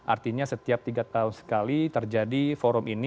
artinya setiap tiga tahun sekali terjadi forum ini